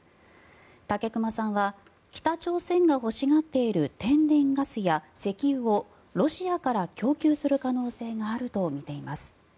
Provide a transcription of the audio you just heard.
武隈さんは北朝鮮が欲しがっている天然ガスや石油をロシアから供給する可能性があるとみています。